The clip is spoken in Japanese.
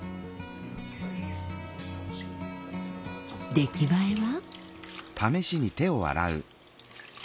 出来栄えは？